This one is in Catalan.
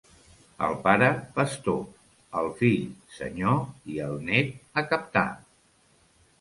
El pare, pastor; el fill, senyor, i el net, a captar.